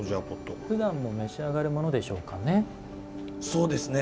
ふだんも召し上がるものですかね？